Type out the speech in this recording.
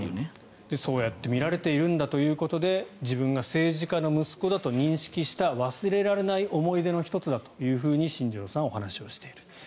そう見られているんだということで自分が政治家の息子だと認識した忘れられない思い出の一つだと進次郎さんはお話している。